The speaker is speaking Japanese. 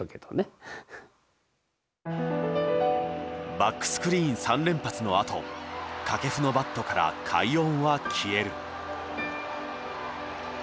バックスクリーン三連発のあと掛布のバットから快音は消える。